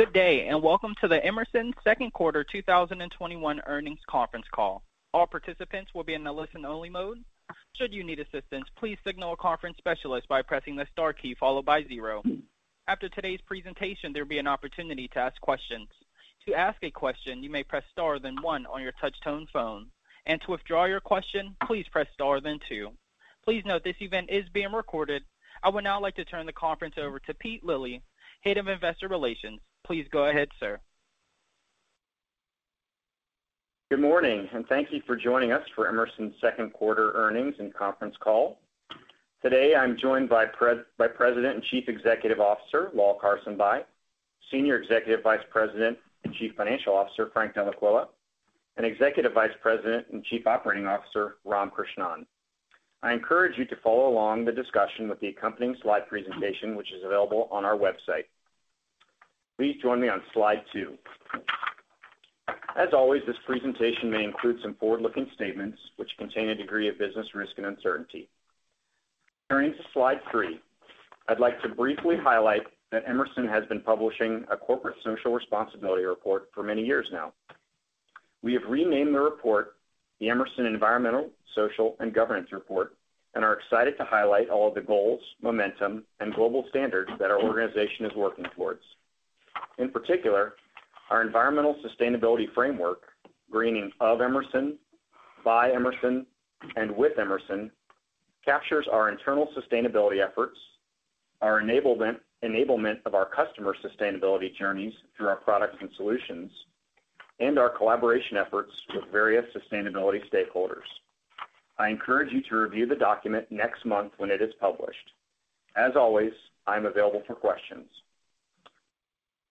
Good day, and welcome to the Emerson second quarter 2021 earnings conference call. All participants will be in a listen-only mode. Should you need assistance, please signal a conference specialist by pressing the star key followed by zero. After today's presentation, there will be an opportunity to ask questions. To ask a question, you may press star then one on your touch-tone phone, and to withdraw your question, please press star then two. Please note this event is being recorded. I would now like to turn the conference over to Pete Lilly, Head of Investor Relations. Please go ahead, sir. Good morning, and thank you for joining us for Emerson's second quarter earnings and conference call. Today, I'm joined by President and Chief Executive Officer, Lal Karsanbhai, Senior Executive Vice President and Chief Financial Officer, Frank Dellaquila, and Executive Vice President and Chief Operating Officer, Ram Krishnan. I encourage you to follow along the discussion with the accompanying slide presentation, which is available on our website. Please join me on slide two. As always, this presentation may include some forward-looking statements which contain a degree of business risk and uncertainty. Turning to slide three, I'd like to briefly highlight that Emerson has been publishing a corporate social responsibility report for many years now. We have renamed the report the Emerson Environmental, Social, and Governance Report and are excited to highlight all of the goals, momentum, and global standards that our organization is working towards. In particular, our environmental sustainability framework, greening of Emerson, by Emerson, and with Emerson, captures our internal sustainability efforts, our enablement of our customer sustainability journeys through our products and solutions, and our collaboration efforts with various sustainability stakeholders. I encourage you to review the document next month when it is published. As always, I'm available for questions.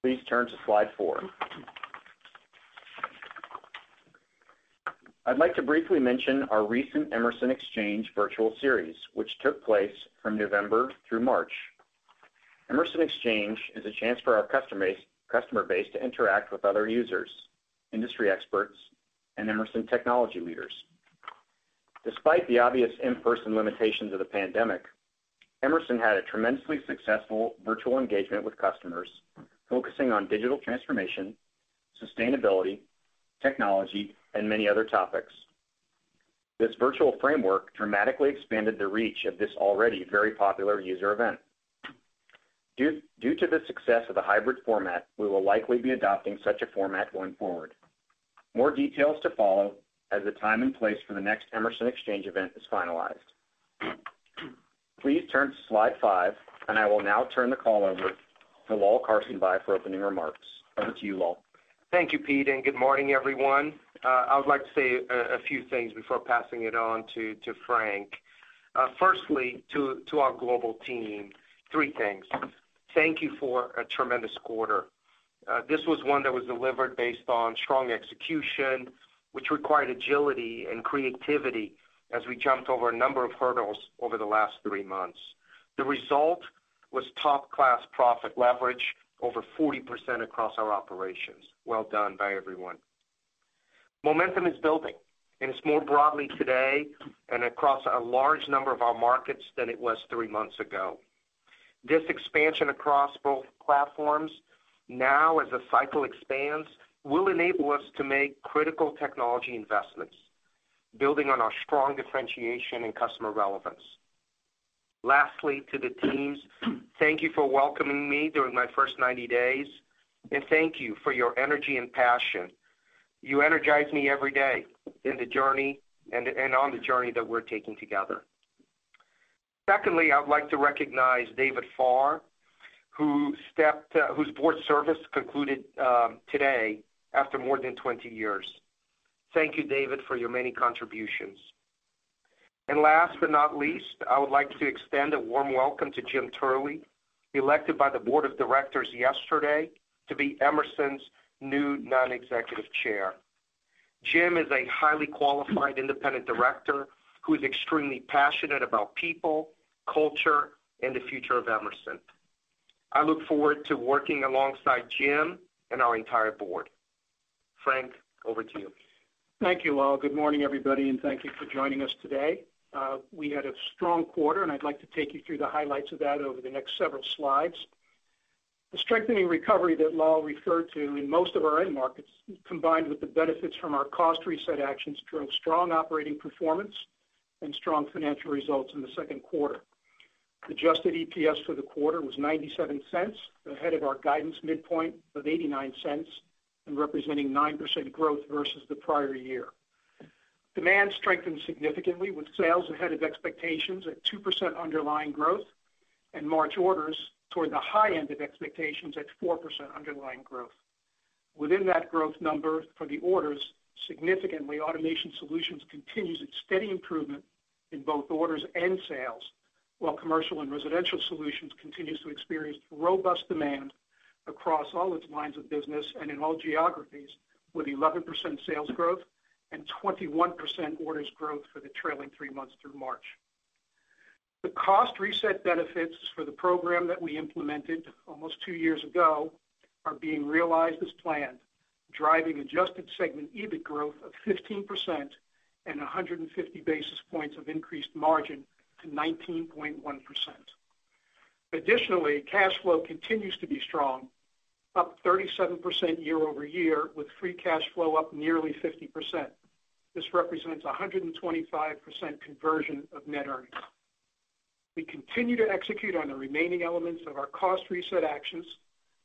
Please turn to slide four. I'd like to briefly mention our recent Emerson Exchange virtual series, which took place from November through March. Emerson Exchange is a chance for our customer base to interact with other users, industry experts, and Emerson technology leaders. Despite the obvious in-person limitations of the pandemic, Emerson had a tremendously successful virtual engagement with customers focusing on digital transformation, sustainability, technology, and many other topics. This virtual framework dramatically expanded the reach of this already very popular user event. Due to the success of the hybrid format, we will likely be adopting such a format going forward. More details to follow as the time and place for the next Emerson Exchange event is finalized. Please turn to slide five. I will now turn the call over to Lal Karsanbhai for opening remarks. Over to you, Lal. Thank you, Pete. Good morning, everyone. I would like to say a few things before passing it on to Frank. Firstly, to our global team, three things. Thank you for a tremendous quarter. This was one that was delivered based on strong execution, which required agility and creativity as we jumped over a number of hurdles over the last three months. The result was top-class profit leverage over 40% across our operations. Well done by everyone. Momentum is building, and it's more broadly today and across a large number of our markets than it was three months ago. This expansion across both platforms now, as the cycle expands, will enable us to make critical technology investments, building on our strong differentiation and customer relevance. Lastly, to the teams, thank you for welcoming me during my first 90 days, and thank you for your energy and passion. You energize me every day in the journey and on the journey that we're taking together. Secondly, I would like to recognize David Farr, whose board service concluded today after more than 20 years. Thank you, David, for your many contributions. Last but not least, I would like to extend a warm welcome to James Turley, elected by the board of directors yesterday to be Emerson's new Non-Executive Chair. Jim is a highly qualified independent director who's extremely passionate about people, culture, and the future of Emerson. I look forward to working alongside Jim and our entire board. Frank, over to you. Thank you, Lal. Good morning, everybody, and thank you for joining us today. We had a strong quarter, and I'd like to take you through the highlights of that over the next several slides. The strengthening recovery that Lal referred to in most of our end markets, combined with the benefits from our cost reset actions, drove strong operating performance and strong financial results in the second quarter. Adjusted EPS for the quarter was $0.97, ahead of our guidance midpoint of $0.89 and representing 9% growth versus the prior year. Demand strengthened significantly with sales ahead of expectations at 2% underlying growth, and March orders toward the high end of expectations at 4% underlying growth. Within that growth number for the orders, significantly, Automation Solutions continues its steady improvement in both orders and sales, while Commercial and Residential Solutions continues to experience robust demand across all its lines of business and in all geographies, with 11% sales growth and 21% orders growth for the trailing three months through March. The cost reset benefits for the program that we implemented almost two years ago are being realized as planned. Driving adjusted segment EBIT growth of 15% and 150 basis points of increased margin to 19.1%. Additionally, cash flow continues to be strong, up 37% year-over-year, with free cash flow up nearly 50%. This represents 125% conversion of net earnings. We continue to execute on the remaining elements of our cost reset actions,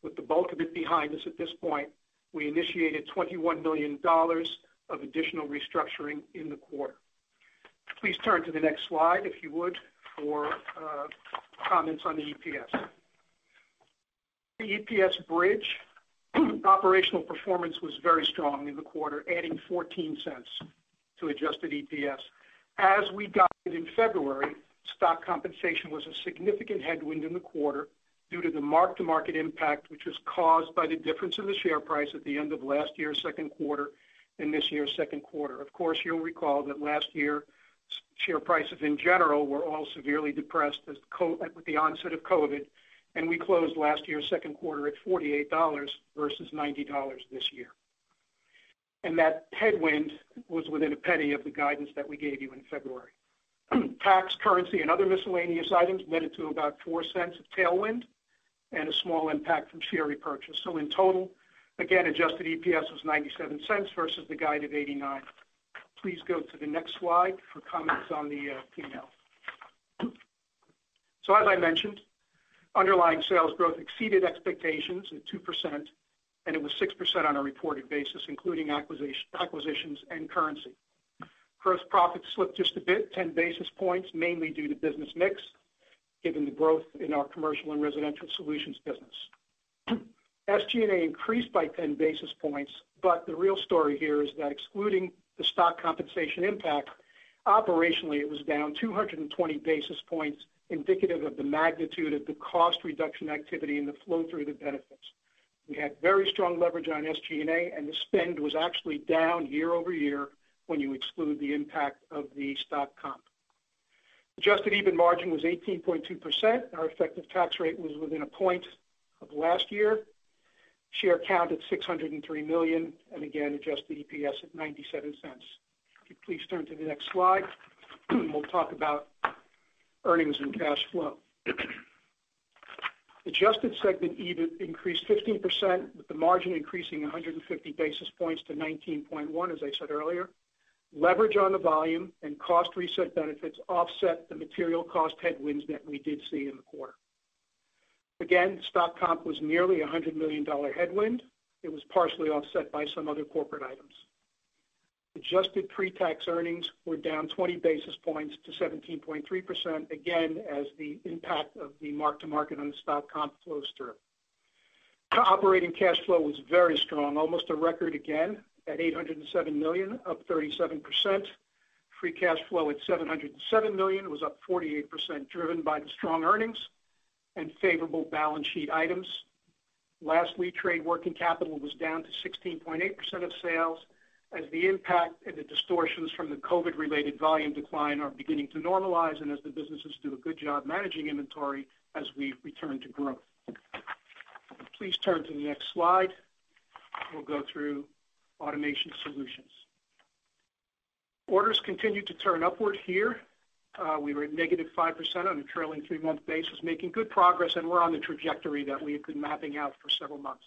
with the bulk of it behind us at this point. We initiated $21 million of additional restructuring in the quarter. Please turn to the next slide, if you would, for comments on the EPS. The EPS bridge operational performance was very strong in the quarter, adding $0.14 to adjusted EPS. As we guided in February, stock compensation was a significant headwind in the quarter due to the mark-to-market impact, which was caused by the difference in the share price at the end of last year's second quarter and this year's second quarter. Of course, you'll recall that last year's share prices, in general, were all severely depressed with the onset of COVID, and we closed last year's second quarter at $48 versus $90 this year. That headwind was within $0.01 of the guidance that we gave you in February. Tax currency and other miscellaneous items netted to about $0.04 of tailwind and a small impact from share repurchase. In total, again, adjusted EPS was $0.97 versus the guide of $0.89. Please go to the next slide for comments on the P&L. As I mentioned, underlying sales growth exceeded expectations at 2%, and it was 6% on a reported basis, including acquisitions and currency. Gross profit slipped just a bit, 10 basis points, mainly due to business mix, given the growth in our Commercial & Residential Solutions business. SG&A increased by 10 basis points, but the real story here is that excluding the stock compensation impact, operationally, it was down 220 basis points, indicative of the magnitude of the cost reduction activity and the flow-through benefits. We had very strong leverage on SG&A, and the spend was actually down year-over-year when you exclude the impact of the stock comp. Adjusted EBIT margin was 18.2%. Our effective tax rate was within a point of last year. Share count at 603 million. Again, adjusted EPS at $0.97. If you please turn to the next slide, we'll talk about earnings and cash flow. Adjusted segment EBIT increased 15%, with the margin increasing 150 basis points to 19.1%, as I said earlier. Leverage on the volume and cost reset benefits offset the material cost headwinds that we did see in the quarter. Again, stock comp was nearly $100 million headwind. It was partially offset by some other corporate items. Adjusted pre-tax earnings were down 20 basis points to 17.3%, again, as the impact of the mark to market on the stock comp flows through. Operating cash flow was very strong, almost a record again at $807 million, up 37%. Free cash flow at $707 million was up 48%, driven by the strong earnings and favorable balance sheet items. Lastly, trade working capital was down to 16.8% of sales as the impact and the distortions from the COVID-related volume decline are beginning to normalize and as the businesses do a good job managing inventory as we return to growth. Please turn to the next slide. We'll go through Automation Solutions. Orders continued to turn upward here. We were at -5% on a trailing three-month basis, making good progress, and we're on the trajectory that we have been mapping out for several months.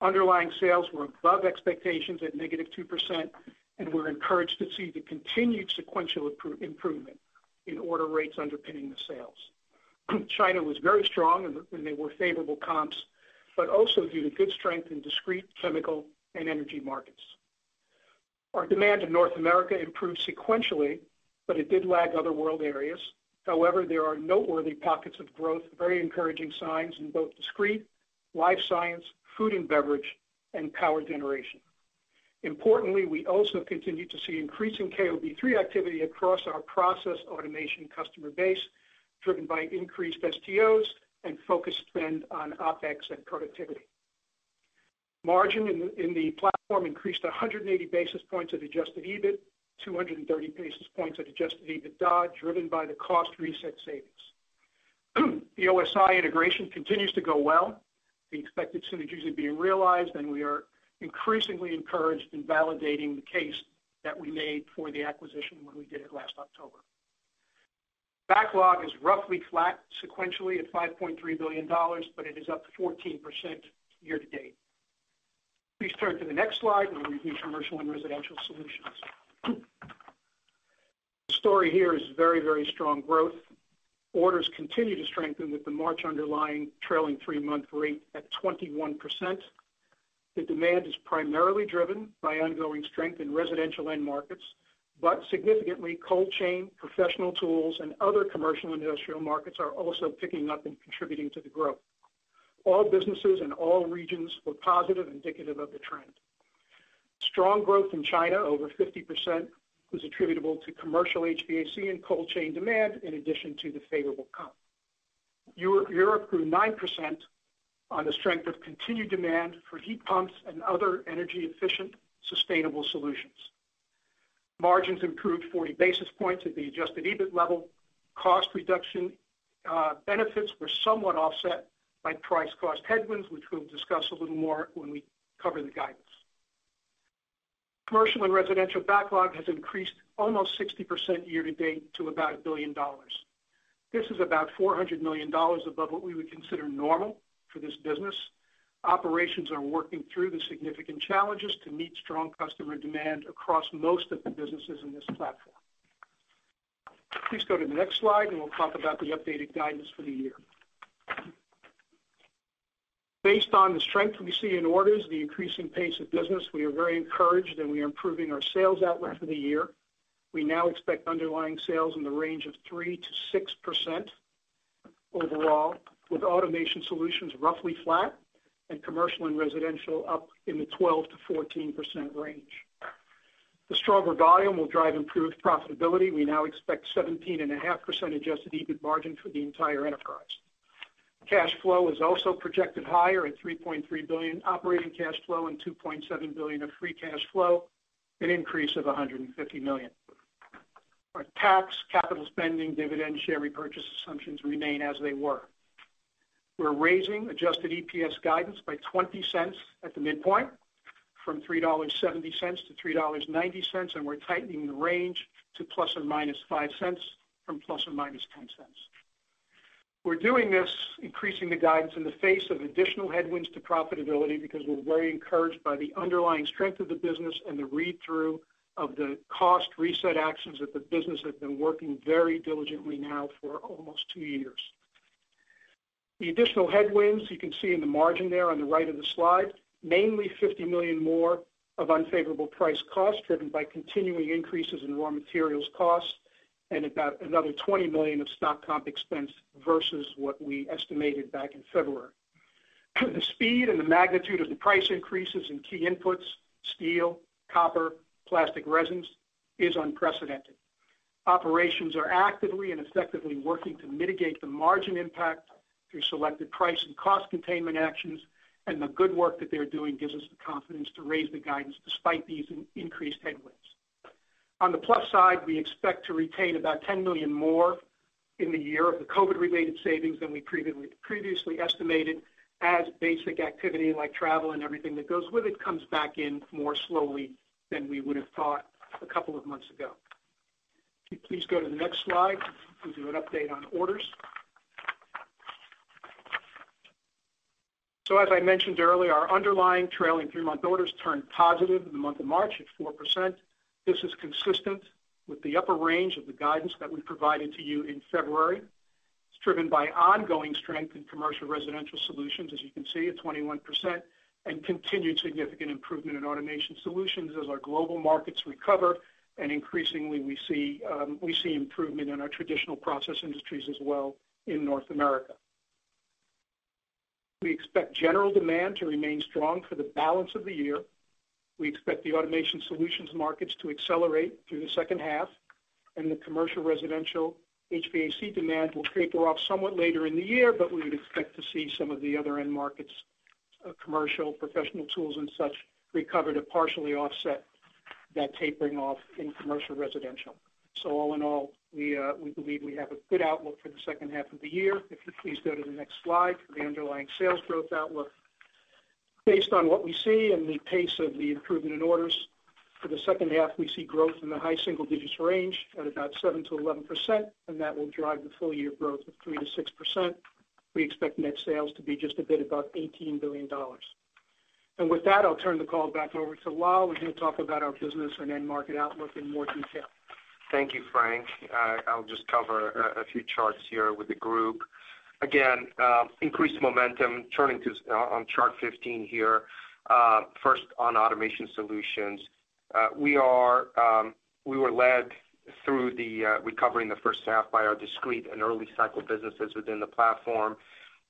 Underlying sales were above expectations at -2%, and we're encouraged to see the continued sequential improvement in order rates underpinning the sales. China was very strong, and they were favorable comps, but also due to good strength in discrete chemical and energy markets. Our demand in North America improved sequentially, but it did lag other world areas. However, there are noteworthy pockets of growth, very encouraging signs in both discrete life science, food and beverage, and power generation. Importantly, we also continued to see increasing KOB3 activity across our process automation customer base, driven by increased STOs and focused spend on OpEx and productivity. Margin in the platform increased 180 basis points at adjusted EBIT, 230 basis points at adjusted EBITDA, driven by the cost reset savings. The OSI integration continues to go well. The expected synergies are being realized, and we are increasingly encouraged in validating the case that we made for the acquisition when we did it last October. Backlog is roughly flat sequentially at $5.3 billion, but it is up 14% year to date. Please turn to the next slide and we'll review Commercial & Residential Solutions. The story here is very strong growth. Orders continue to strengthen with the March underlying trailing three-month rate at 21%. The demand is primarily driven by ongoing strength in residential end markets, but significantly, cold chain, professional tools, and other commercial industrial markets are also picking up and contributing to the growth. All businesses in all regions were positive, indicative of the trend. Strong growth in China, over 50%, was attributable to commercial HVAC and cold chain demand, in addition to the favorable comp. Europe grew 9% on the strength of continued demand for heat pumps and other energy-efficient, sustainable solutions. Margins improved 40 basis points at the adjusted EBIT level. Cost reduction benefits were somewhat offset by price cost headwinds, which we'll discuss a little more when we cover the guidance. Commercial & Residential backlog has increased almost 60% year to date to about $1 billion. This is about $400 million above what we would consider normal for this business. Operations are working through the significant challenges to meet strong customer demand across most of the businesses in this platform. Please go to the next slide and we'll talk about the updated guidance for the year. Based on the strength we see in orders, the increasing pace of business, we are very encouraged, and we are improving our sales outlook for the year. We now expect underlying sales in the range of 3%-6% overall, with Automation Solutions roughly flat and Commercial & Residential Solutions up in the 12%-14% range. The stronger volume will drive improved profitability. We now expect 17.5% adjusted EBIT margin for the entire enterprise. Cash flow is also projected higher at $3.3 billion operating cash flow and $2.7 billion of free cash flow, an increase of $150 million. Our tax, capital spending, dividend, share repurchase assumptions remain as they were. We're raising adjusted EPS guidance by $0.20 at the midpoint from $3.70-$3.90, and we're tightening the range to ±$0.05 from ±$0.10. We're doing this, increasing the guidance in the face of additional headwinds to profitability because we're very encouraged by the underlying strength of the business and the read-through of the cost reset actions that the business has been working very diligently now for almost two years. The additional headwinds you can see in the margin there on the right of the slide, mainly $50 million more of unfavorable price cost driven by continuing increases in raw materials cost and about another $20 million of stock comp expense versus what we estimated back in February. The speed and the magnitude of the price increases in key inputs, steel, copper, plastic resins, is unprecedented. Operations are actively and effectively working to mitigate the margin impact through selected price and cost containment actions, and the good work that they're doing gives us the confidence to raise the guidance despite these increased headwinds. On the plus side, we expect to retain about $10 million more in the year of the COVID related savings than we previously estimated as basic activity like travel and everything that goes with it comes back in more slowly than we would have thought a couple of months ago. Could you please go to the next slide? We'll do an update on orders. As I mentioned earlier, our underlying trailing three-month orders turned positive in the month of March at 4%. This is consistent with the upper range of the guidance that we provided to you in February. It's driven by ongoing strength in Commercial & Residential Solutions, as you can see, at 21%, and continued significant improvement in Automation Solutions as our global markets recover. Increasingly we see improvement in our traditional process industries as well in North America. We expect general demand to remain strong for the balance of the year. We expect the Automation Solutions markets to accelerate through the second half, and the Commercial & Residential Solutions HVAC demand will taper off somewhat later in the year, but we would expect to see some of the other end markets, commercial, professional tools, and such, recover to partially offset that tapering off in Commercial & Residential Solutions. All in all, we believe we have a good outlook for the second half of the year. If you'd please go to the next slide for the underlying sales growth outlook. Based on what we see and the pace of the improvement in orders for the second half, we see growth in the high single digits range at about 7%-11%, and that will drive the full year growth of 3%-6%. We expect net sales to be just a bit above $18 billion. With that, I'll turn the call back over to Lal, who's going to talk about our business and end market outlook in more detail. Thank you, Frank. I'll just cover a few charts here with the group. Again, increased momentum. Turning to chart 15 here. First on Automation Solutions. We were led through the recovery in the first half by our discrete and early cycle businesses within the platform.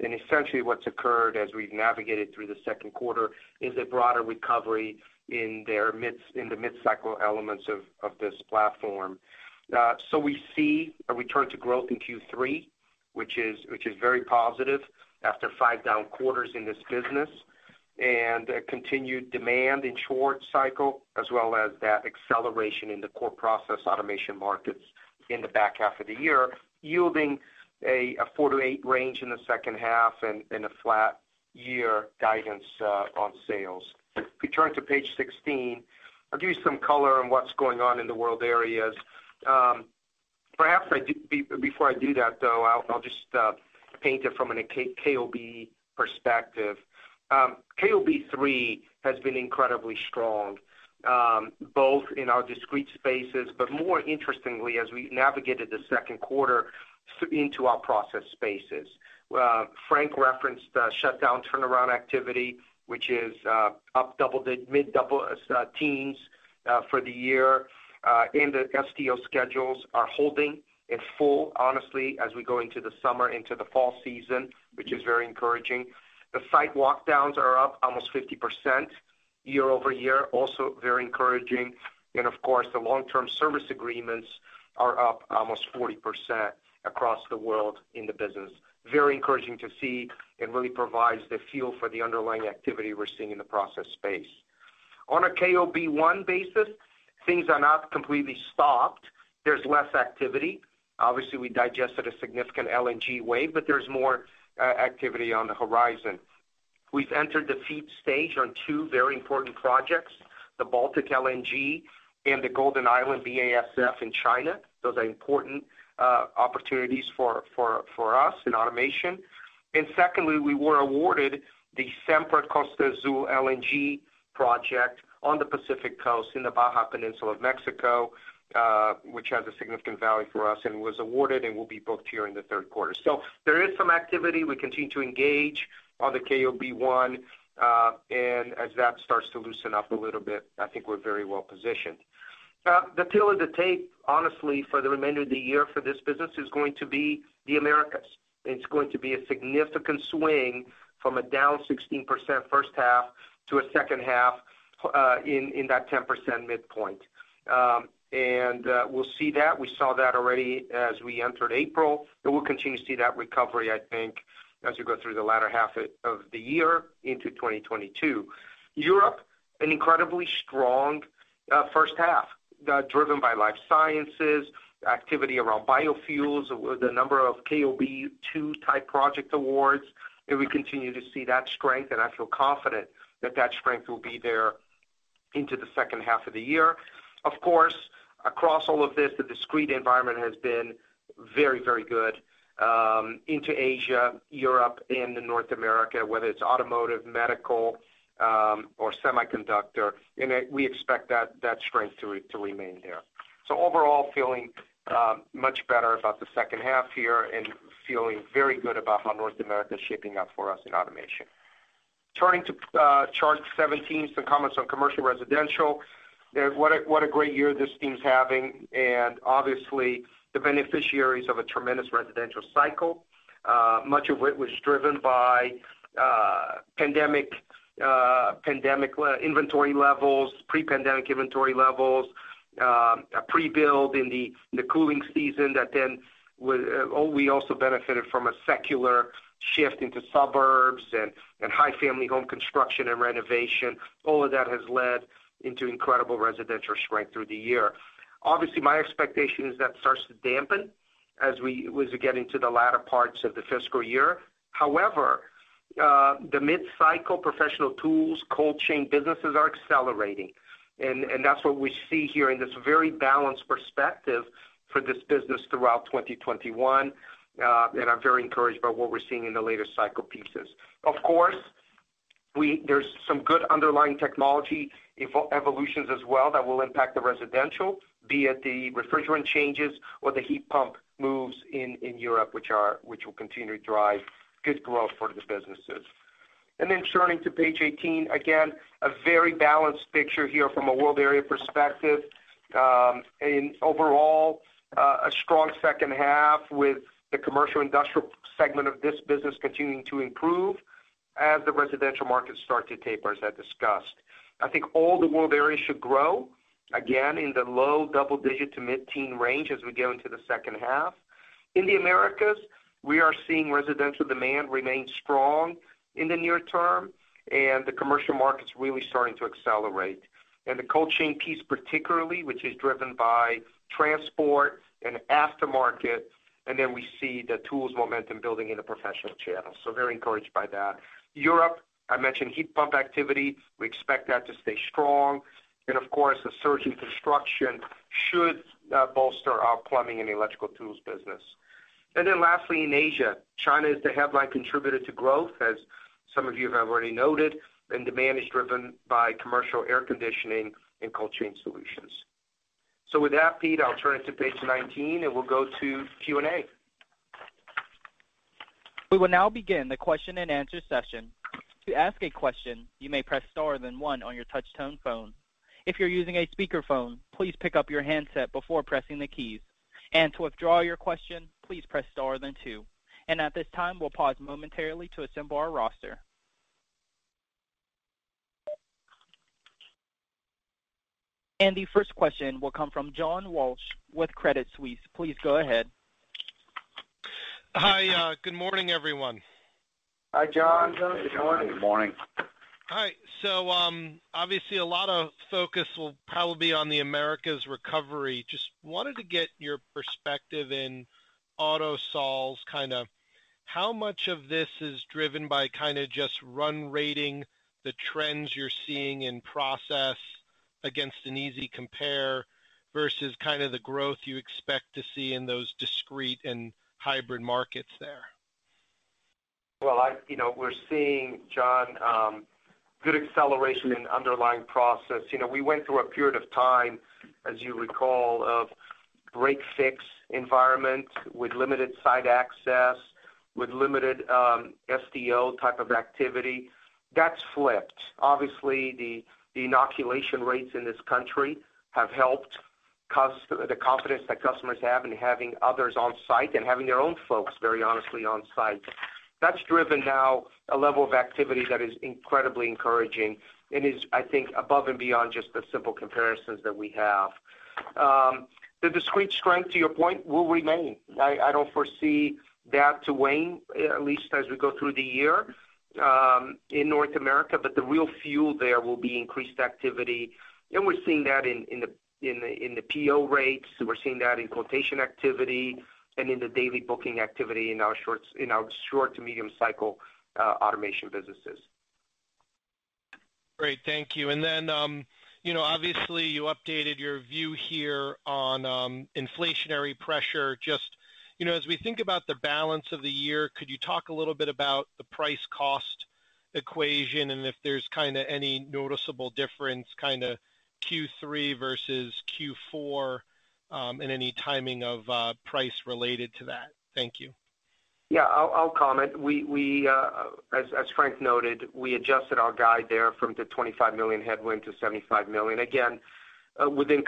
Essentially what's occurred as we've navigated through the second quarter is a broader recovery in the mid-cycle elements of this platform. We see a return to growth in Q3, which is very positive after five down quarters in this business, and a continued demand in short cycle as well as that acceleration in the core process automation markets in the back half of the year, yielding a 4-8 range in the second half and a flat year guidance on sales. If we turn to page 16, I'll give you some color on what's going on in the world areas. Perhaps before I do that, though, I'll just paint it from a KOB perspective. KOB-3 has been incredibly strong both in our discrete spaces, but more interestingly as we navigated the second quarter into our process spaces. Frank referenced shutdown turnaround activity, which is up mid double teens for the year. The STO schedules are holding in full, honestly, as we go into the summer, into the fall season, which is very encouraging. The site walk downs are up almost 50% year-over-year, also very encouraging. Of course, the long-term service agreements are up almost 40% across the world in the business. Very encouraging to see and really provides the feel for the underlying activity we're seeing in the process space. On a KOB-1 basis, things are not completely stopped. There's less activity. Obviously, we digested a significant LNG wave, but there's more activity on the horizon. We've entered the FEED stage on two very important projects, the Baltic LNG and the Golden Island BASF Zhanjiang Verbund site in China. Those are important opportunities for us in automation. Secondly, we were awarded the Sempra Costa Azul LNG project on the Pacific Coast in the Baja Peninsula of Mexico, which has a significant value for us and was awarded and will be booked here in the third quarter. There is some activity. We continue to engage on the KOB-1, and as that starts to loosen up a little bit, I think we're very well-positioned. The pillar to take, honestly, for the remainder of the year for this business is going to be the Americas. It's going to be a significant swing from a down 16% first half to a second half in that 10% midpoint. We'll see that. We saw that already as we entered April, and we'll continue to see that recovery, I think, as we go through the latter half of the year into 2022. Europe, an incredibly strong first half, driven by life sciences, activity around biofuels, the number of KOB-2 type project awards, and we continue to see that strength, and I feel confident that strength will be there into the second half of the year. Of course, across all of this, the discrete environment has been very good into Asia, Europe, and North America, whether it's automotive, medical, or semiconductor. We expect that strength to remain there. Overall, feeling much better about the second half here and feeling very good about how North America is shaping up for us in automation. Turning to chart 17, some comments on Commercial Residential. What a great year this team's having and obviously the beneficiaries of a tremendous residential cycle. Much of it was driven by pre-pandemic inventory levels, a pre-build in the cooling season. We also benefited from a secular shift into suburbs and high family home construction and renovation. All of that has led into incredible residential strength through the year. Obviously, my expectation is that starts to dampen as we get into the latter parts of the fiscal year. The mid-cycle professional tools, cold chain businesses are accelerating, and that's what we see here in this very balanced perspective for this business throughout 2021. I'm very encouraged by what we're seeing in the later cycle pieces. Of course, there's some good underlying technology evolutions as well that will impact the residential, be it the refrigerant changes or the heat pump moves in Europe, which will continue to drive good growth for these businesses. Turning to page 18, again, a very balanced picture here from a world area perspective. Overall, a strong second half with the commercial industrial segment of this business continuing to improve as the residential markets start to taper, as I discussed. I think all the world areas should grow, again in the low double-digit to mid-teen range as we go into the second half. In the Americas, we are seeing residential demand remain strong in the near term, and the commercial market's really starting to accelerate. The cold chain piece, particularly, which is driven by transport and aftermarket, we see the tools momentum building in the professional channel. Very encouraged by that. Europe, I mentioned heat pump activity. We expect that to stay strong. Of course, a surge in construction should bolster our plumbing and electrical tools business. Lastly, in Asia, China is the headline contributor to growth, as some of you have already noted, and demand is driven by commercial air conditioning and cold chain solutions. With that, Pete, I'll turn it to page 19, and we'll go to Q&A. We will now begin the question and answer session. To ask a question, you may press star then one on your touch-tone phone. If you're using a speakerphone, please pick up your handset before pressing the keys. To withdraw your question, please press star then two. At this time, we'll pause momentarily to assemble our roster. The first question will come from John Walsh with Credit Suisse. Please go ahead. Hi. Good morning, everyone. Hi, John. Good morning. Good morning. Hi. Obviously a lot of focus will probably be on the Americas recovery. Just wanted to get your perspective in Autosols, how much of this is driven by just run rating the trends you're seeing in process against an easy compare versus the growth you expect to see in those discrete and hybrid markets there? Well, we're seeing, John, good acceleration in underlying process. We went through a period of time, as you recall, of break-fix environment with limited site access, with limited STO type of activity. That's flipped. The inoculation rates in this country have helped the confidence that customers have in having others on site and having their own folks, very honestly, on site. That's driven now a level of activity that is incredibly encouraging and is, I think, above and beyond just the simple comparisons that we have. The discrete strength to your point will remain. I don't foresee that waning, at least as we go through the year in North America. The real fuel there will be increased activity, and we're seeing that in the PO rates. We're seeing that in quotation activity and in the daily booking activity in our short to medium cycle automation businesses. Great, thank you. Obviously you updated your view here on inflationary pressure. Just as we think about the balance of the year, could you talk a little bit about the price cost equation and if there's any noticeable difference Q3 versus Q4, any timing of price related to that? Thank you. Yeah, I'll comment. As Frank noted, we adjusted our guide there from the $25 million headwind to $75 million. Again, within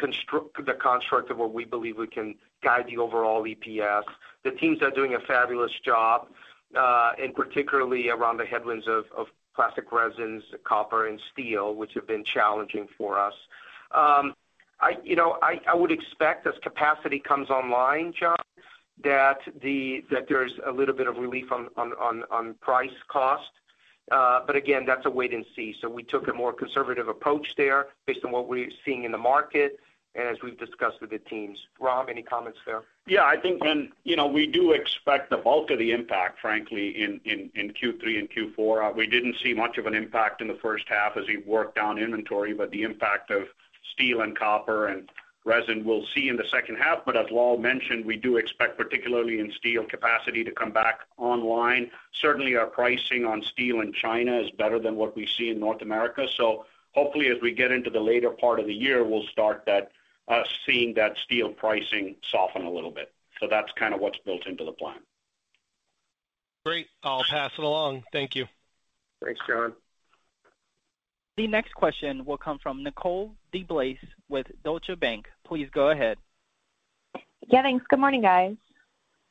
the construct of what we believe we can guide the overall EPS. The teams are doing a fabulous job, and particularly around the headwinds of plastic resins, copper, and steel, which have been challenging for us. I would expect as capacity comes online, John, that there's a little bit of relief on price cost. Again, that's a wait and see. We took a more conservative approach there based on what we're seeing in the market, and as we've discussed with the teams. Ram, any comments there? Yeah, I think, we do expect the bulk of the impact, frankly, in Q3 and Q4. We didn't see much of an impact in the first half as we worked down inventory, but the impact of steel and copper and resin we'll see in the second half. As Lal mentioned, we do expect, particularly in steel capacity, to come back online. Certainly, our pricing on steel in China is better than what we see in North America. Hopefully as we get into the later part of the year, we'll start seeing that steel pricing soften a little bit. That's kind of what's built into the plan. Great. I'll pass it along. Thank you. Thanks, John. The next question will come from Nicole DeBlase with Deutsche Bank. Please go ahead. Yeah, thanks. Good morning, guys.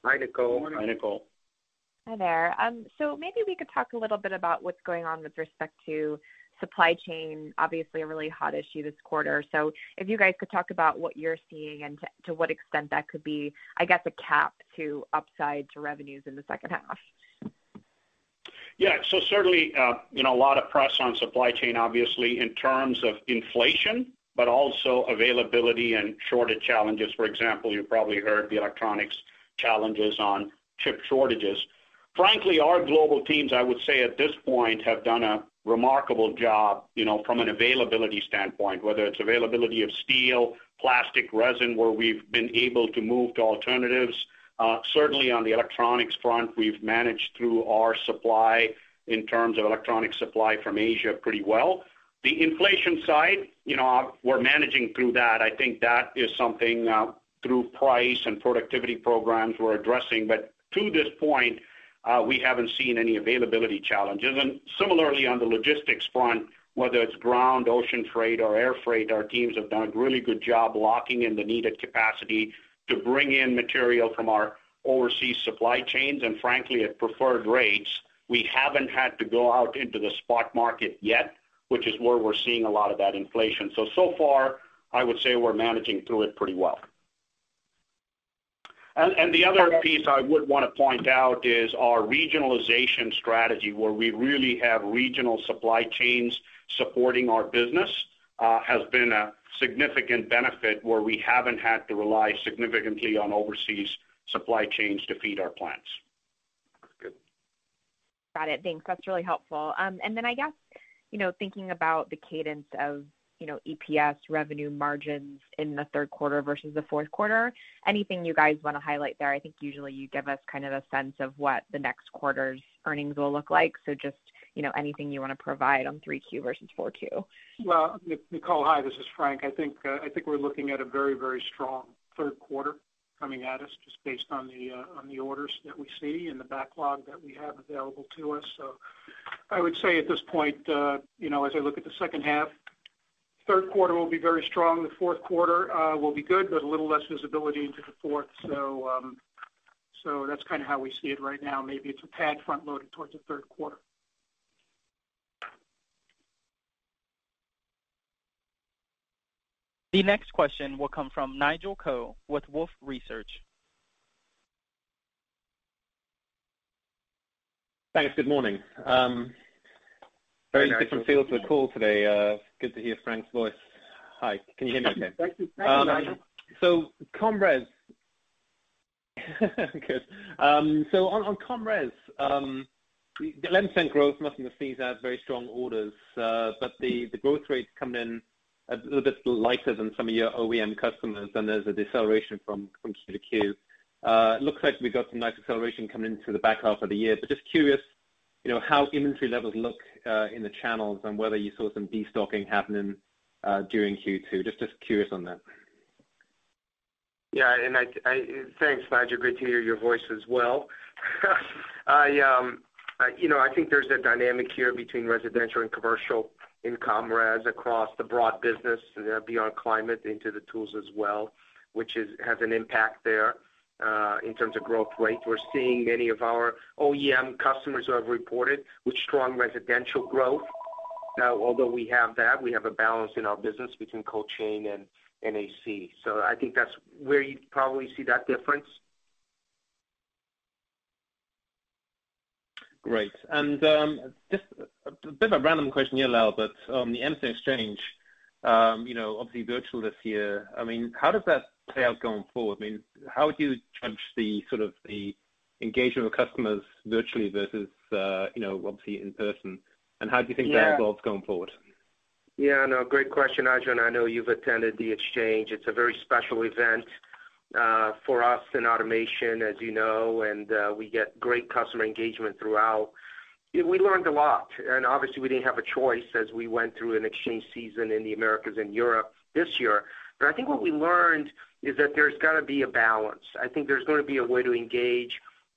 Hi, Nicole. Morning. Hi, Nicole. Hi there. Maybe we could talk a little bit about what's going on with respect to supply chain, obviously a really hot issue this quarter. If you guys could talk about what you're seeing and to what extent that could be, I guess, a cap to upside to revenues in the second half. Certainly, a lot of press on supply chain, obviously, in terms of inflation, but also availability and shortage challenges. For example, you probably heard the electronics challenges on chip shortages. Frankly, our global teams, I would say at this point, have done a remarkable job from an availability standpoint, whether it's availability of steel, plastic resin, where we've been able to move to alternatives. On the electronics front we've managed through our supply in terms of electronic supply from Asia pretty well. The inflation side, we're managing through that. I think that is something through price and productivity programs we're addressing. To this point, we haven't seen any availability challenges. Similarly on the logistics front, whether it's ground, ocean freight or air freight, our teams have done a really good job locking in the needed capacity to bring in material from our overseas supply chains. Frankly, at preferred rates. We haven't had to go out into the spot market yet, which is where we're seeing a lot of that inflation. So far I would say we're managing through it pretty well. The other piece I would want to point out is our regionalization strategy, where we really have regional supply chains supporting our business has been a significant benefit where we haven't had to rely significantly on overseas supply chains to feed our plants. That's good. Got it. Thanks. That's really helpful. I guess, thinking about the cadence of EPS revenue margins in the third quarter versus the fourth quarter, anything you guys want to highlight there? I think usually you give us kind of a sense of what the next quarter's earnings will look like. Just anything you want to provide on three Q versus four Q. Well, Nicole, hi, this is Frank. I think we're looking at a very, very strong third quarter coming at us just based on the orders that we see and the backlog that we have available to us. I would say at this point as I look at the second half, third quarter will be very strong. The fourth quarter will be good, but a little less visibility into the fourth. That's kind of how we see it right now. Maybe it's a tad front-loaded towards the third quarter. The next question will come from Nigel Coe with Wolfe Research. Thanks. Good morning. Hi, Nigel. Very different feel to the call today. Good to hear Frank's voice. Hi, can you hear me okay? Thank you. Thank you, Nigel. Com Res. Good. On Com Res, 11% growth, nothing to sneeze at, very strong orders. The growth rate's coming in a little bit lighter than some of your OEM customers, and there's a deceleration from Q to Q. Looks like we've got some nice acceleration coming into the back half of the year, but just curious how inventory levels look in the channels and whether you saw some destocking happening during Q2. Just curious on that. Yeah, thanks, Nigel. Great to hear your voice as well. I think there's a dynamic here between residential and commercial in Com Res across the broad business, beyond climate into the tools as well, which has an impact there in terms of growth rate. We're seeing many of our OEM customers who have reported with strong residential growth. Although we have that, we have a balance in our business between cold chain and NAC. I think that's where you probably see that difference. Great. Just a bit of a random question here, Lal, but the Emerson Exchange, obviously virtual this year. How does that play out going forward? How would you judge the engagement of customers virtually versus, obviously in person? How do you think that evolves going forward? Yeah, no, great question, Nigel. I know you've attended the Exchange. It's a very special event for us in automation, as you know. We get great customer engagement throughout. We learned a lot. Obviously we didn't have a choice as we went through an Exchange season in the Americas and Europe this year. I think what we learned is that there's got to be a balance. I think there's going to be a way to engage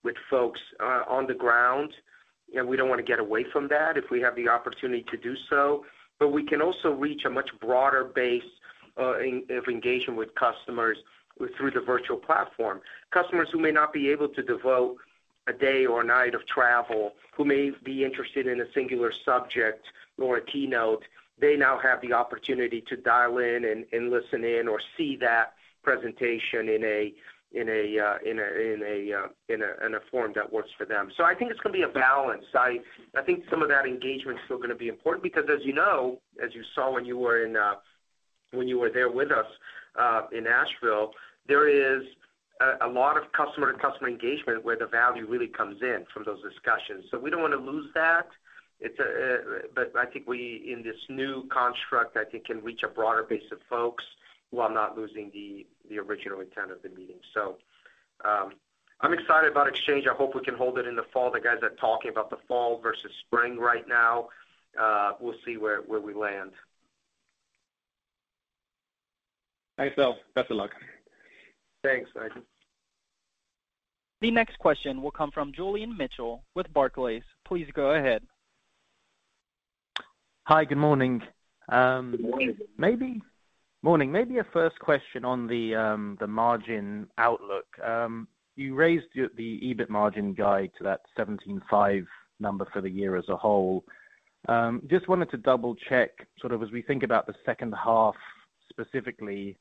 with folks on the ground. We don't want to get away from that if we have the opportunity to do so. We can also reach a much broader base of engagement with customers through the virtual platform. Customers who may not be able to devote a day or a night of travel, who may be interested in a singular subject or a keynote, they now have the opportunity to dial in and listen in or see that presentation in a form that works for them. I think it's going to be a balance. I think some of that engagement's still going to be important because as you know, as you saw when you were there with us in Nashville, there is a lot of customer to customer engagement where the value really comes in from those discussions. We don't want to lose that. I think we, in this new construct, I think can reach a broader base of folks while not losing the original intent of the meeting. I'm excited about Emerson Exchange. I hope we can hold it in the fall. The guys are talking about the fall versus spring right now. We'll see where we land. Thanks, Lal. Best of luck. Thanks, Nigel. The next question will come from Julian Mitchell with Barclays. Please go ahead. Hi, good morning. Good morning. Morning. Maybe a first question on the margin outlook. You raised the EBIT margin guide to that 17.5% for the year as a whole. Just wanted to double check, sort of as we think about the second half specifically,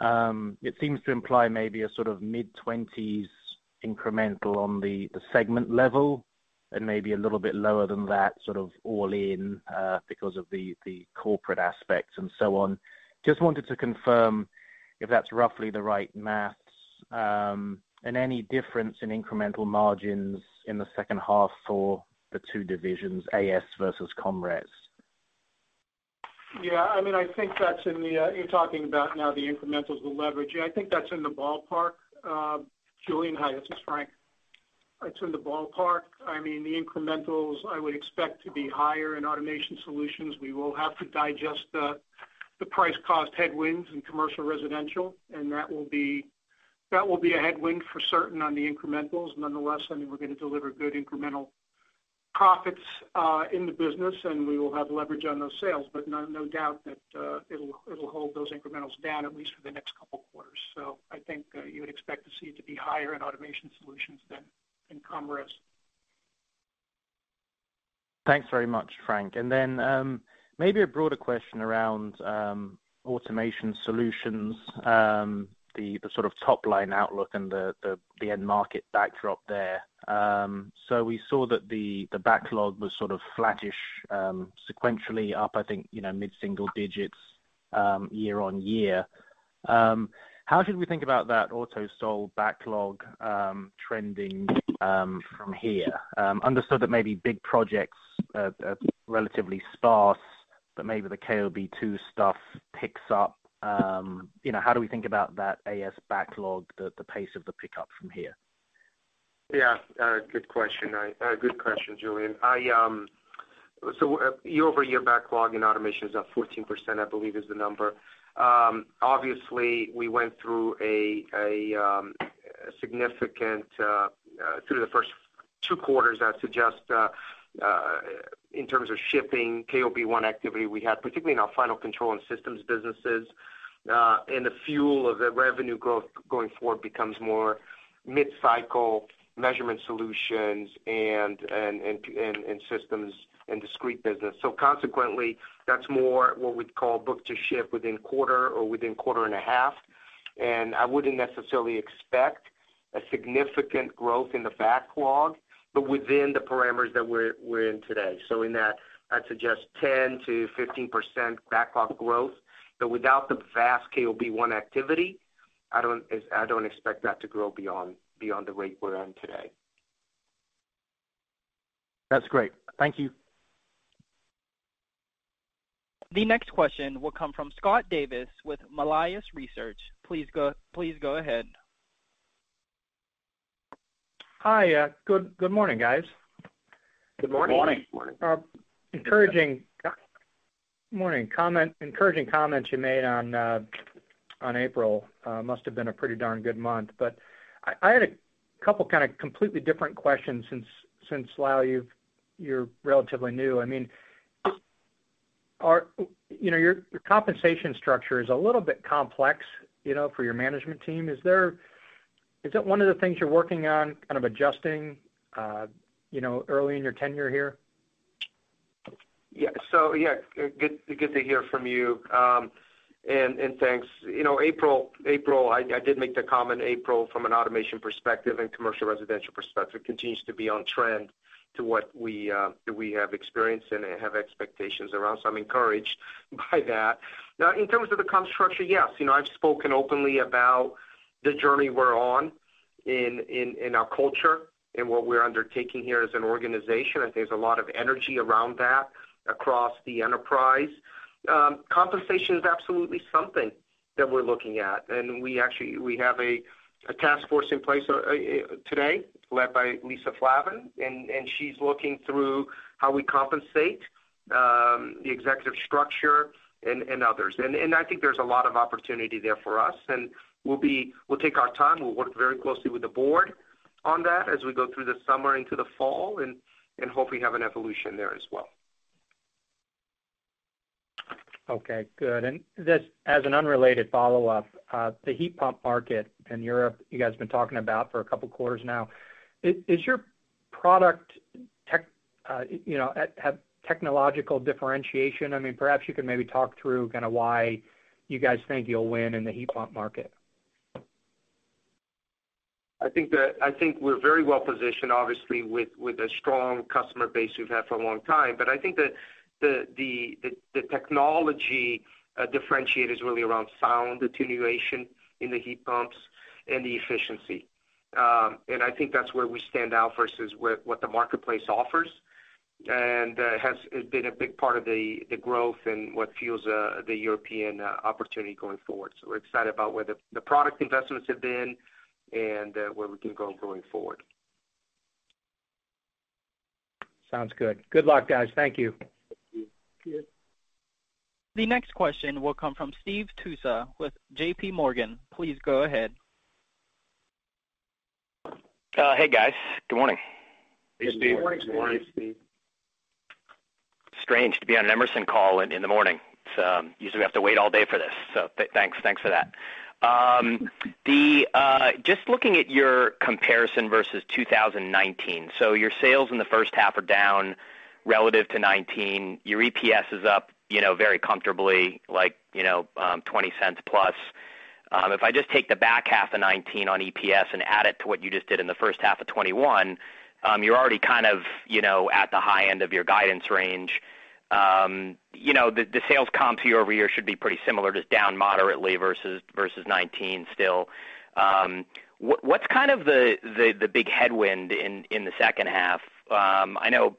it seems to imply maybe a sort of mid-20s incremental on the segment level and maybe a little bit lower than that, sort of all in, because of the corporate aspects and so on. Just wanted to confirm if that's roughly the right math, and any difference in incremental margins in the second half for the two divisions, AS versus Com Res. Yeah, you're talking about now the incrementals, the leverage. I think that's in the ballpark. Julian, hi, this is Frank. It's in the ballpark. The incrementals I would expect to be higher in Automation Solutions. We will have to digest the price cost headwinds in Commercial Residential, and that will be a headwind for certain on the incrementals. Nonetheless, we're going to deliver good incremental profits in the business, and we will have leverage on those sales. No doubt that it'll hold those incrementals down at least for the next couple quarters. I think you would expect to see it to be higher in Automation Solutions than in Com Res. Thanks very much, Frank. Maybe a broader question around Automation Solutions, the sort of top-line outlook and the end market backdrop there. We saw that the backlog was sort of flattish sequentially up, I think, mid-single digits year-on-year. How should we think about that Automation Solutions backlog trending from here? Understood that maybe big projects are relatively sparse, but maybe the KOB-2 stuff picks up. How do we think about that AS backlog, the pace of the pickup from here? Yeah. Good question. Good question, Julian. Year-over-year backlog in automation is up 14%, I believe is the number. Obviously, we went through the first two quarters, I'd suggest, in terms of shipping KOB-1 activity we had, particularly in our final control and systems businesses. The fuel of the revenue growth going forward becomes more mid-cycle measurement solutions and systems and discrete business. Consequently, that's more what we'd call book to ship within quarter or within quarter and a half. I wouldn't necessarily expect a significant growth in the backlog, but within the parameters that we're in today. In that, I'd suggest 10%-15% backlog growth. Without the vast KOB-1 activity, I don't expect that to grow beyond the rate we're in today. That's great. Thank you. The next question will come from Scott Davis with Melius Research. Please go ahead. Hi. Good morning, guys. Good morning. Morning, encouraging comments you made on April. Must've been a pretty darn good month. I had a couple kind of completely different questions since, Lal, you're relatively new. Your compensation structure is a little bit complex for your management team. Is it one of the things you're working on, kind of adjusting early in your tenure here? Yeah. Good to hear from you, and thanks. I did make the comment, April, from an automation perspective and commercial residential perspective, continues to be on trend to what we have experienced and have expectations around. I'm encouraged by that. In terms of the comp structure, yes. I've spoken openly about the journey we're on in our culture and what we're undertaking here as an organization. I think there's a lot of energy around that across the enterprise. Compensation is absolutely something that we're looking at, and we have a task force in place today led by Lisa Flavin, and she's looking through how we compensate, the executive structure, and others. I think there's a lot of opportunity there for us. We'll take our time. We'll work very closely with the board on that as we go through the summer into the fall, and hope we have an evolution there as well. Okay, good. Just as an unrelated follow-up, the heat pump market in Europe, you guys have been talking about for a couple of quarters now. Is your product have technological differentiation? Perhaps you can maybe talk through kind of why you guys think you'll win in the heat pump market. I think we're very well-positioned, obviously, with a strong customer base we've had for a long time. I think that the technology differentiator is really around sound attenuation in the heat pumps and the efficiency. I think that's where we stand out versus what the marketplace offers, and has been a big part of the growth and what fuels the European opportunity going forward. We're excited about where the product investments have been and where we can go going forward. Sounds good. Good luck, guys. Thank you. Thank you. The next question will come from Stephen Tusa with JPMorgan. Please go ahead. Hey, guys. Good morning. Hey, Stephen. Good morning, Stephen Tusa. Strange to be on an Emerson call in the morning. Usually we have to wait all day for this, so thanks for that. Just looking at your comparison versus 2019, your sales in the first half are down relative to 2019. Your EPS is up very comfortably, like $0.20 plus. If I just take the back half of 2019 on EPS and add it to what you just did in the first half of 2021, you're already kind of at the high end of your guidance range. The sales comps year-over-year should be pretty similar, just down moderately versus 2019 still. What's kind of the big headwind in the second half? I know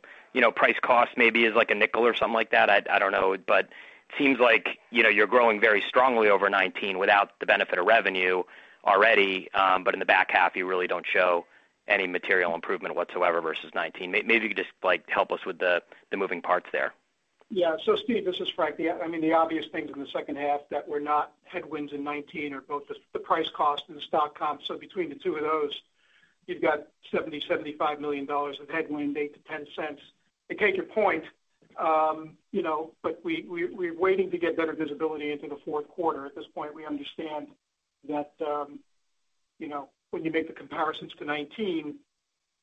price cost maybe is like $0.05 or something like that, I don't know. Seems like you're growing very strongly over 2019 without the benefit of revenue already. In the back half, you really don't show any material improvement whatsoever versus 2019. Maybe you could just help us with the moving parts there. Stephen Tusa, this is Frank Dellaquila. The obvious things in the second half that were not headwinds in 2019 are both the price cost and the stock comp. Between the two of those, you've got $70 million-$75 million of headwind, $0.08-$0.10. I take your point, but we're waiting to get better visibility into the fourth quarter. At this point, we understand that when you make the comparisons to 2019,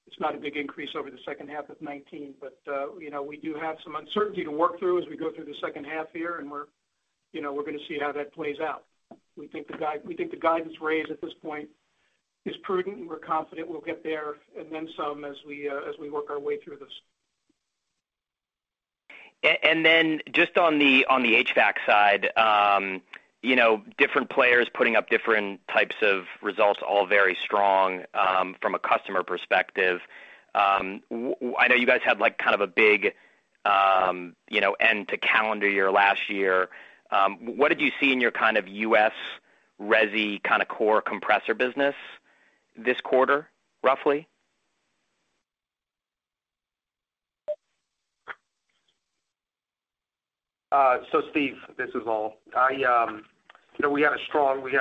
it's not a big increase over the second half of 2019. We do have some uncertainty to work through as we go through the second half here, and we're going to see how that plays out. We think the guidance raise at this point is prudent, and we're confident we'll get there and then some as we work our way through this. Then just on the HVAC side, different players putting up different types of results, all very strong from a customer perspective. I know you guys had kind of a big end to calendar year last year. What did you see in your kind of U.S. resi kind of core compressor business this quarter, roughly? Steve, this is Lal. We had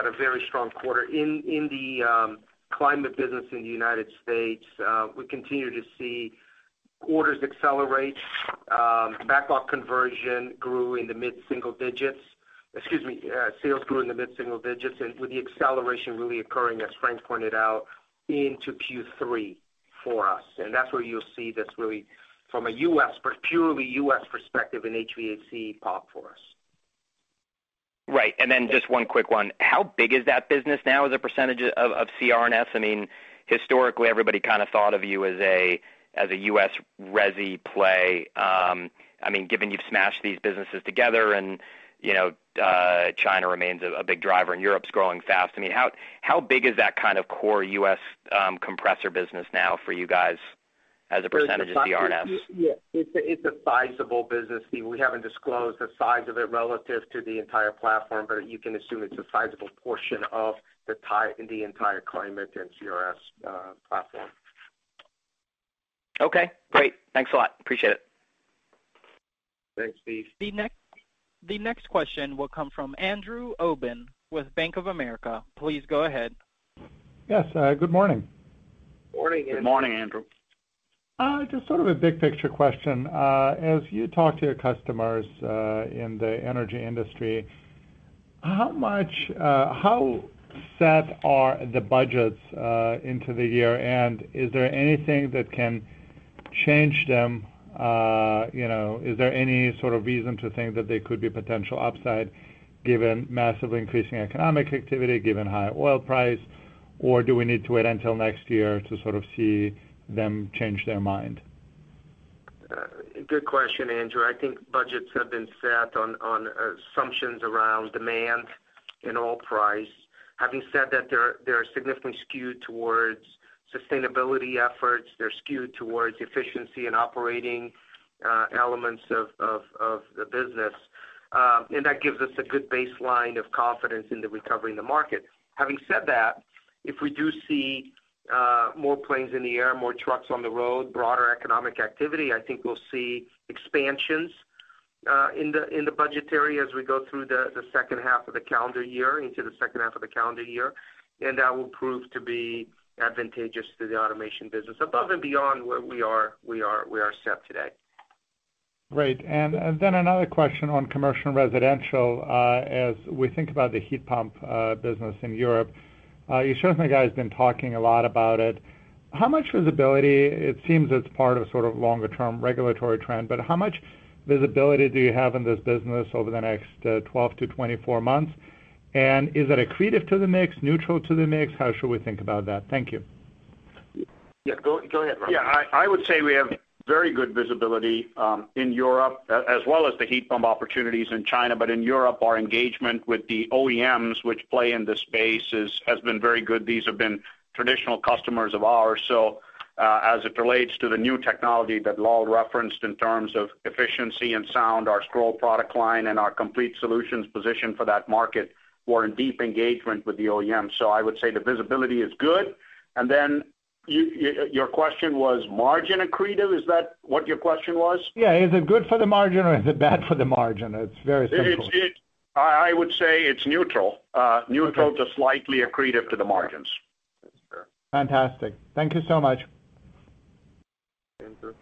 a very strong quarter. In the climate business in the U.S., we continue to see orders accelerate. Backlog conversion grew in the mid-single digits. Excuse me, sales grew in the mid-single digits and with the acceleration really occurring, as Frank pointed out, into Q3 for us. That's where you'll see this really from a purely U.S. perspective in HVAC pop for us. Right. Then just one quick one. How big is that business now as a percentage of CRNS? Historically, everybody kind of thought of you as a U.S. resi play. Given you've smashed these businesses together and China remains a big driver and Europe's growing fast, how big is that kind of core U.S. compressor business now for you guys as a percentage of CRNS? It's a sizable business, Steve. We haven't disclosed the size of it relative to the entire platform, but you can assume it's a sizable portion of the entire climate and CRS platform. Okay, great. Thanks a lot. Appreciate it. Thanks, Steve. The next question will come from Andrew Obin with Bank of America. Please go ahead. Yes, good morning. Good morning, Andrew. Good morning, Andrew. Just sort of a big picture question. As you talk to your customers in the energy industry, how set are the budgets into the year? Is there anything that can change them? Is there any sort of reason to think that there could be potential upside given massively increasing economic activity, given high oil price, or do we need to wait until next year to sort of see them change their mind? Good question, Andrew. I think budgets have been set on assumptions around demand and oil price. Having said that, they are significantly skewed towards sustainability efforts. They're skewed towards efficiency and operating elements of the business. That gives us a good baseline of confidence in the recovery in the market. Having said that, if we do see more planes in the air, more trucks on the road, broader economic activity, I think we'll see expansions in the budgetary as we go through the second half of the calendar year, into the second half of the calendar year. That will prove to be advantageous to the automation business above and beyond where we are set today. Great. Another question on Commercial & Residential Solutions. As we think about the heat pump business in Europe, you certainly guys been talking a lot about it. It seems it's part of sort of longer-term regulatory trend, but how much visibility do you have in this business over the next 12-24 months? Is it accretive to the mix, neutral to the mix? How should we think about that? Thank you. Yeah. Go ahead, Frank. Yeah, I would say we have very good visibility in Europe as well as the heat pump opportunities in China. In Europe, our engagement with the OEMs, which play in this space has been very good. These have been traditional customers of ours. As it relates to the new technology that Lal referenced in terms of efficiency and sound, our scroll product line and our complete solutions position for that market, we're in deep engagement with the OEM. I would say the visibility is good. Your question was margin accretive? Is that what your question was? Yeah. Is it good for the margin or is it bad for the margin? It's very simple. I would say it's neutral. Okay. Neutral to slightly accretive to the margins. Fantastic. Thank you so much. Andrew.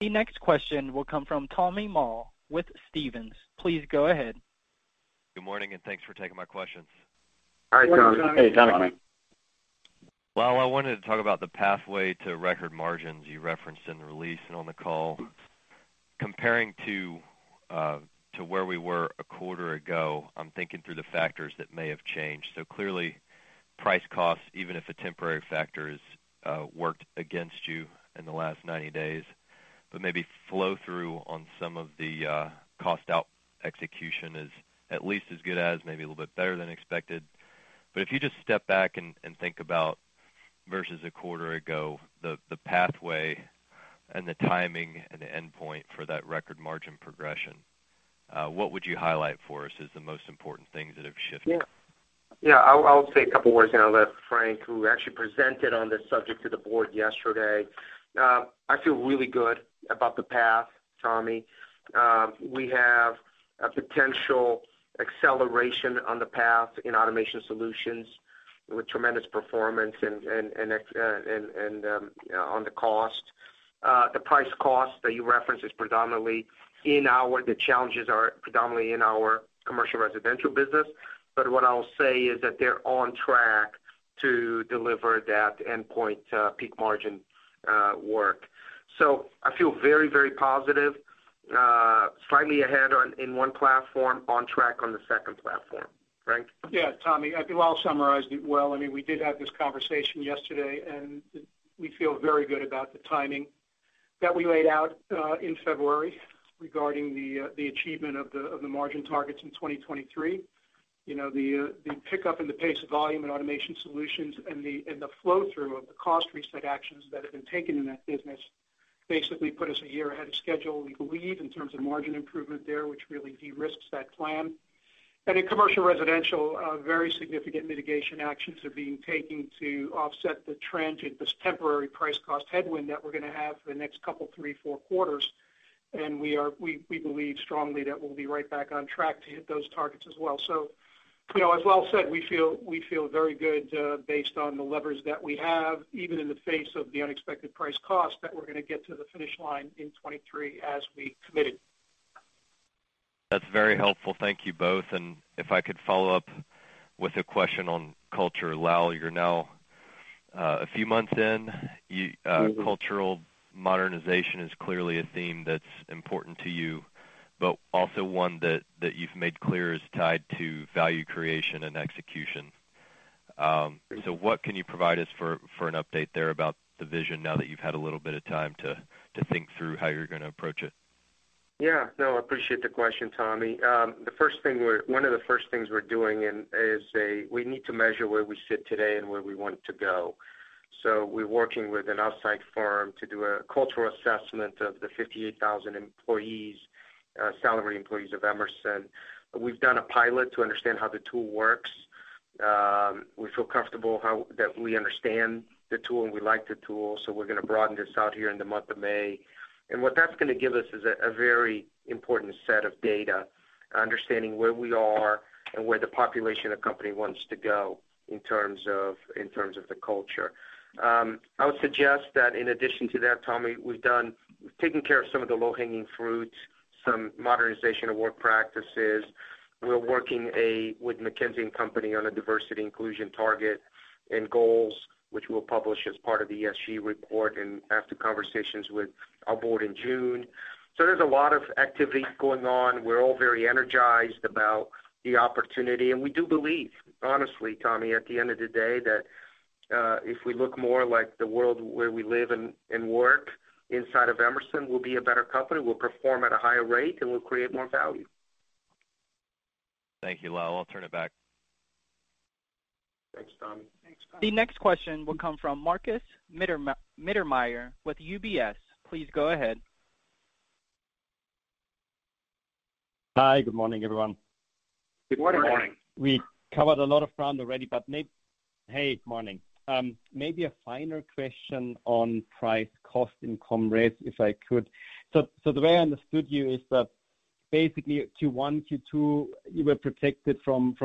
The next question will come from Tommy Moll with Stephens. Please go ahead. Good morning. Thanks for taking my questions. Hi, Tommy. Hey, Tommy. Lal, I wanted to talk about the pathway to record margins you referenced in the release and on the call. Comparing to where we were a quarter ago, I'm thinking through the factors that may have changed. Clearly, price costs, even if a temporary factor has worked against you in the last 90 days, but maybe flow-through on some of the cost-out execution is at least as good as maybe a little bit better than expected. If you just step back and think about versus a quarter ago, the pathway and the timing and the endpoint for that record margin progression, what would you highlight for us as the most important things that have shifted? Yeah. I'll say a couple words, and I'll let Frank, who actually presented on this subject to the Board yesterday. I feel really good about the path, Tommy. We have a potential acceleration on the path in Automation Solutions with tremendous performance on the cost. The price cost that you referenced is predominantly the challenges are predominantly in our Commercial & Residential Solutions. What I'll say is that they're on track to deliver that endpoint peak margin work. I feel very positive. Slightly ahead in one platform, on track on the second platform. Frank? Yeah, Tommy, I think Lal summarized it well. We did have this conversation yesterday, and we feel very good about the timing that we laid out in February regarding the achievement of the margin targets in 2023. The pickup in the pace of volume in Automation Solutions and the flow-through of the cost reset actions that have been taken in that business basically put us a year ahead of schedule, we believe, in terms of margin improvement there, which really de-risks that plan. In Commercial Residential, very significant mitigation actions are being taken to offset the transient, this temporary price cost headwind that we're going to have for the next couple, three, four quarters. We believe strongly that we'll be right back on track to hit those targets as well. As Lal said, we feel very good based on the levers that we have, even in the face of the unexpected price cost, that we're going to get to the finish line in 2023 as we committed. That's very helpful. Thank you both. If I could follow up with a question on culture. Lal, you're now a few months in. Cultural modernization is clearly a theme that's important to you, but also one that you've made clear is tied to value creation and execution. Right. What can you provide us for an update there about the vision now that you've had a little bit of time to think through how you're going to approach it? Yeah. No, I appreciate the question, Tommy Moll. One of the first things we're doing is we need to measure where we sit today and where we want to go. We're working with an outside firm to do a cultural assessment of the 58,000 salaried employees of Emerson. We've done a pilot to understand how the tool works. We feel comfortable that we understand the tool, and we like the tool, we're going to broaden this out here in the month of May. What that's going to give us is a very important set of data. Understanding where we are and where the population of the company wants to go in terms of the culture. I would suggest that in addition to that, Tommy Moll, we've taken care of some of the low-hanging fruit, some modernization of work practices. We're working with McKinsey & Company on a diversity inclusion target and goals, which we'll publish as part of the ESG report and after conversations with our board in June. There's a lot of activity going on. We're all very energized about the opportunity, and we do believe, honestly, Tommy, at the end of the day that if we look more like the world where we live and work inside of Emerson, we'll be a better company, we'll perform at a higher rate, and we'll create more value. Thank you, Lal. I'll turn it back. Thanks, Tommy. The next question will come from Markus Mittermaier with UBS. Please go ahead. Hi. Good morning, everyone. Good morning. Good morning. We covered a lot of ground already. Morning. Maybe a final question on price-cost income rates, if I could. The way I understood you is that basically Q1, Q2, you were protected from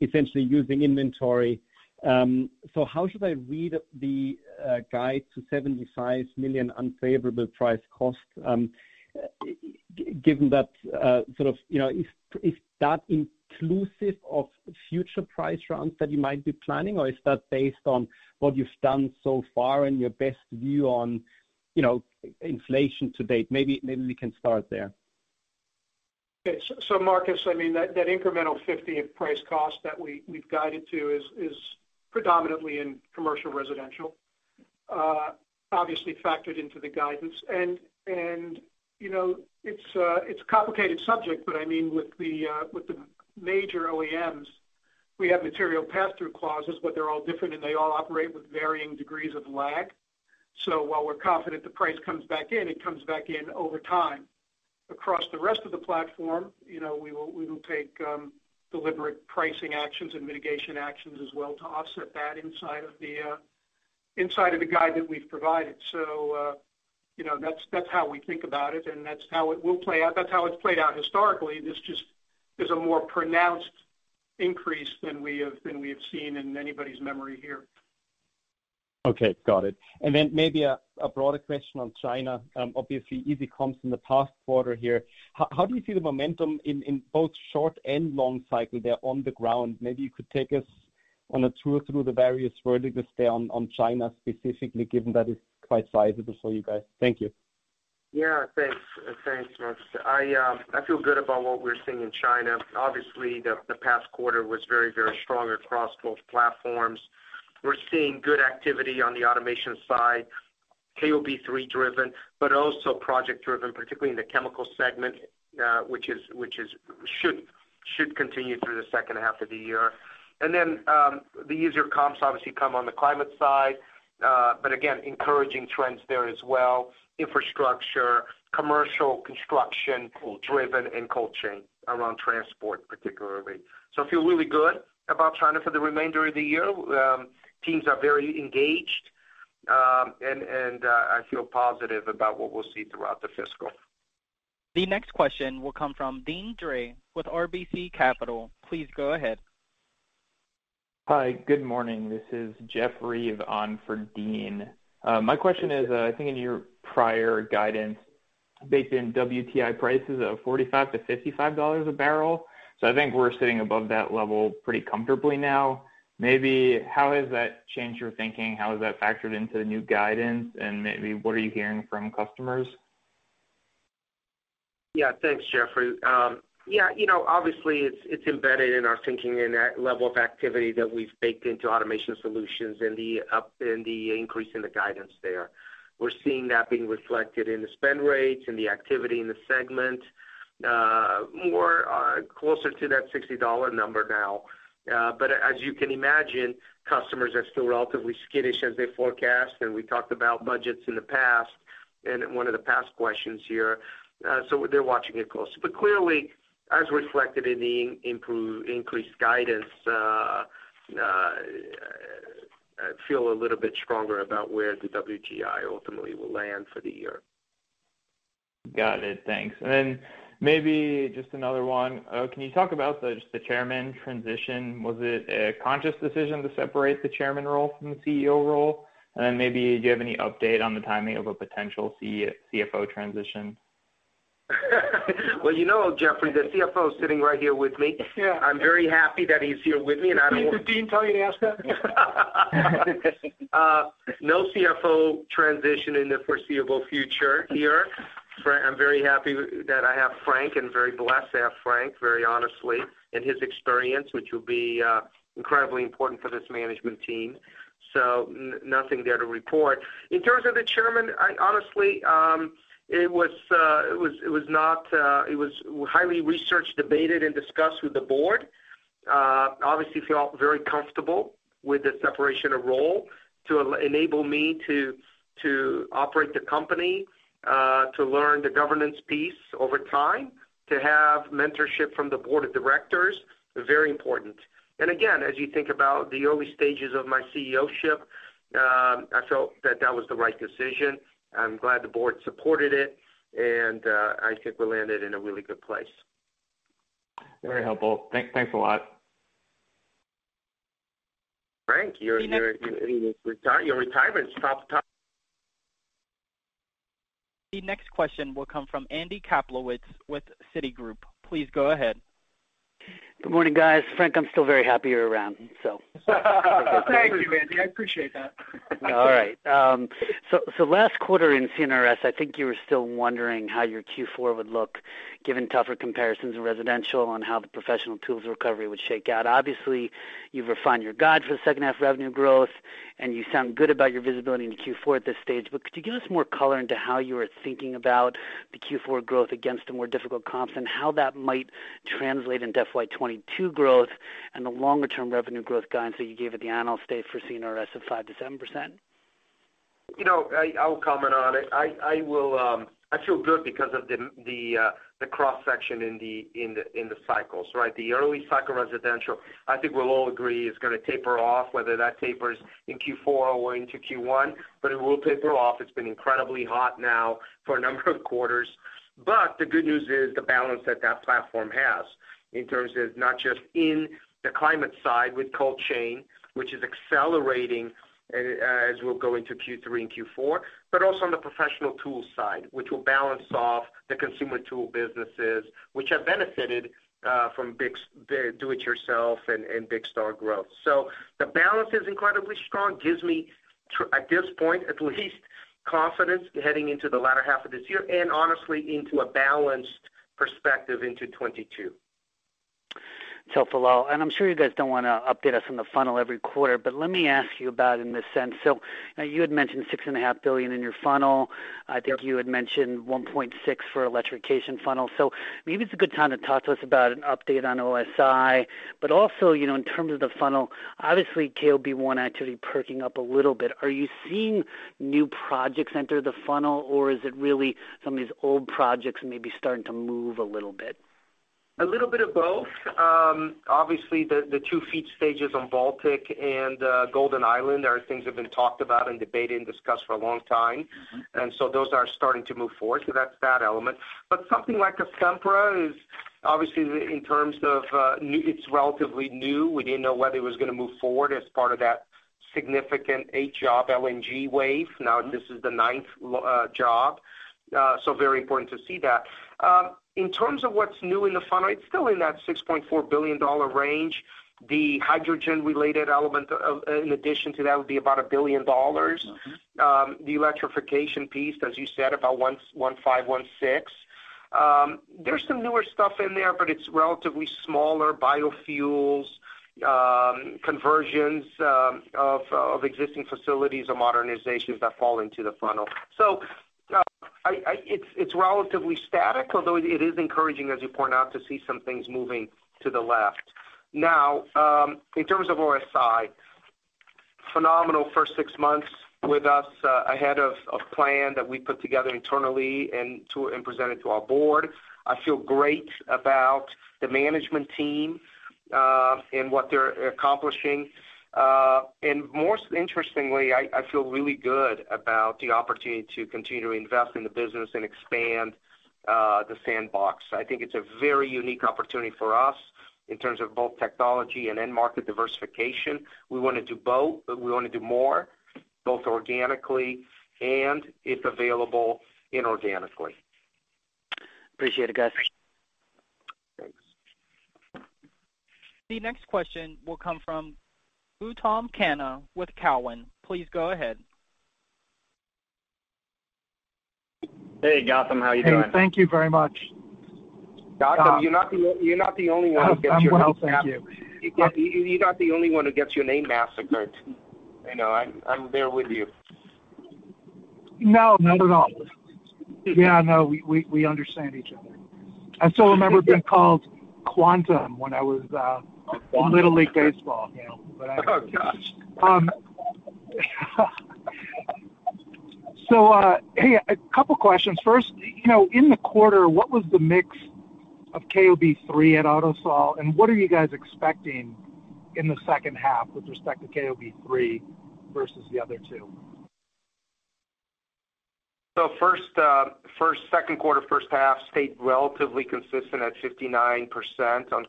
essentially using inventory. How should I read the guide to $75 million unfavorable price cost, given that, is that inclusive of future price rounds that you might be planning, or is that based on what you've done so far and your best view on inflation to date? Maybe we can start there. Okay. Markus, that incremental $50 in price cost that we've guided to is predominantly in Commercial & Residential Solutions, obviously factored into the guidance. It's a complicated subject, but with the major OEMs, we have material pass-through clauses, but they're all different, and they all operate with varying degrees of lag. While we're confident the price comes back in, it comes back in over time. Across the rest of the platform, we will take deliberate pricing actions and mitigation actions as well to offset that inside of the guide that we've provided. That's how we think about it, and that's how it will play out. That's how it's played out historically. This just is a more pronounced increase than we have seen in anybody's memory here. Okay. Got it. Maybe a broader question on China. Obviously, easy comps in the past quarter here. How do you see the momentum in both short and long cycle there on the ground? Maybe you could take us on a tour through the various verticals there on China specifically, given that it's quite sizable for you guys. Thank you. Thanks. Thanks, Markus. I feel good about what we're seeing in China. The past quarter was very, very strong across both platforms. We're seeing good activity on the automation side, KOB-3 driven, also project driven, particularly in the chemical segment, which should continue through the second half of the year. The easier comps obviously come on the climate side. Again, encouraging trends there as well, infrastructure, commercial construction driven and cold chain around transport, particularly. I feel really good about China for the remainder of the year. Teams are very engaged, I feel positive about what we'll see throughout the fiscal. The next question will come from Deane Dray with RBC Capital. Please go ahead. Hi. Good morning. This is Jeffrey on for Deane. My question is, I think in your prior guidance, baked in WTI prices of $45-$55 a barrel. I think we're sitting above that level pretty comfortably now. Maybe how has that changed your thinking? How has that factored into the new guidance? Maybe what are you hearing from customers? Yeah. Thanks, Jeffrey. Obviously, it's embedded in our thinking and that level of activity that we've baked into Automation Solutions and the increase in the guidance there. We're seeing that being reflected in the spend rates and the activity in the segment, more closer to that $60 number now. As you can imagine, customers are still relatively skittish as they forecast, and we talked about budgets in the past in one of the past questions here. They're watching it closely. Clearly, as reflected in the increased guidance, I feel a little bit stronger about where the WTI ultimately will land for the year. Got it. Thanks. Maybe just another one. Can you talk about just the chairman transition? Was it a conscious decision to separate the chairman role from the CEO role? Maybe, do you have any update on the timing of a potential CFO transition? Well, Jeffrey, the CFO is sitting right here with me. Yeah. I'm very happy that he's here with me. Did Deane tell you to ask that? No CFO transition in the foreseeable future here. I'm very happy that I have Frank and very blessed to have Frank, very honestly, and his experience, which will be incredibly important for this management team. Nothing there to report. In terms of the chairman, honestly, it was highly researched, debated, and discussed with the board. Obviously feel very comfortable with the separation of role to enable me to operate the company, to learn the governance piece over time, to have mentorship from the board of directors, very important. Again, as you think about the early stages of my CEO-ship, I felt that that was the right decision. I'm glad the board supported it, and I think we landed in a really good place. Very helpful. Thanks a lot. Frank, your retirement's. The next question will come from Andrew Kaplowitz with Citigroup. Please go ahead. Good morning, guys. Frank, I'm still very happy you're around. Thank you, Andy. I appreciate that. All right. Last quarter in CNRS, I think you were still wondering how your Q4 would look given tougher comparisons in residential on how the professional tools recovery would shake out. Obviously, you've refined your guide for the second half revenue growth, and you sound good about your visibility into Q4 at this stage. Could you give us more color into how you are thinking about the Q4 growth against the more difficult comps, and how that might translate in FY 2022 growth and the longer-term revenue growth guidance that you gave at the analyst day for CNRS of 5%-7%? I'll comment on it. I feel good because of the cross-section in the cycles. Right? The early cycle residential, I think we'll all agree is going to taper off, whether that tapers in Q4 or into Q1, but it will taper off. It's been incredibly hot now for a number of quarters. The good news is the balance that platform has in terms of not just in the climate side with cold chain, which is accelerating as we'll go into Q3 and Q4, but also on the professional tools side, which will balance off the consumer tool businesses, which have benefited from do-it-yourself and big store growth. The balance is incredibly strong. Gives me, at this point at least, confidence heading into the latter half of this year and honestly into a balanced perspective into 2022. It's helpful. I'm sure you guys don't want to update us on the funnel every quarter, let me ask you about in this sense. You had mentioned $6.5 billion in your funnel. Yep. I think you had mentioned 1.6 for electrification funnel. Maybe it's a good time to talk to us about an update on OSI, but also, in terms of the funnel, obviously KOB-1 activity perking up a little bit. Are you seeing new projects enter the funnel, or is it really some of these old projects maybe starting to move a little bit? A little bit of both. Obviously, the 2 FEED stages on Baltic and Golden Island are things that have been talked about and debated and discussed for a long time. Those are starting to move forward, so that's that element. Something like a Sempra is obviously in terms of it's relatively new. We didn't know whether it was going to move forward as part of that significant eight-job LNG wave. This is the ninth job. Very important to see that. What's new in the funnel, it's still in that $6.4 billion range. The hydrogen-related element in addition to that would be about $1 billion. The electrification piece, as you said, about 1.5, 1.6. There's some newer stuff in there, it's relatively smaller. Biofuels, conversions of existing facilities or modernizations that fall into the funnel. It's relatively static, although it is encouraging, as you point out, to see some things moving to the left. In terms of OSI, phenomenal first six months with us, ahead of plan that we put together internally and presented to our board. I feel great about the management team and what they're accomplishing. Most interestingly, I feel really good about the opportunity to continue to invest in the business and expand the sandbox. I think it's a very unique opportunity for us in terms of both technology and end market diversification. We want to do both. We want to do more, both organically and if available, inorganically. Appreciate it, guys. Thanks. The next question will come from Gautam Khanna with Cowen. Please go ahead. Hey, Gautam. How are you doing? Hey, thank you very much. Gautam, you're not the only one who. I'm well, thank you. You're not the only one who gets your name massacred. I'm there with you. No, not at all. Yeah, no, we understand each other. I still remember being called Quantum. Quantum? in Little League baseball. Oh, gosh. Hey, a couple questions. First, in the quarter, what was the mix of KOB-3 at Automation Solutions, and what are you guys expecting in the second half with respect to KOB-3 versus the other two? First second quarter, first half stayed relatively consistent at 59% on